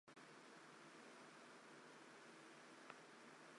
在合肥市庐阳区三国遗址公园举行。